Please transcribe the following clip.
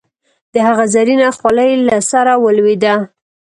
د هغه زرينه خولی له سره ولوېده.